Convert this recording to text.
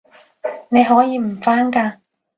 你可以唔返㗎